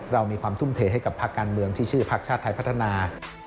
เรามีความทุ่มเทให้กับภาคการเมืองที่ชื่อภาคชาติไทยพัฒนา